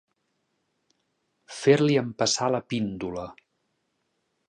Fer-li empassar la píndola.